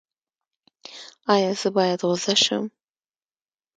ایا زه باید غوسه شم؟